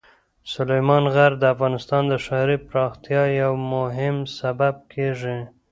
سلیمان غر د افغانستان د ښاري پراختیا یو مهم سبب کېږي.